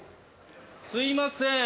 すいません。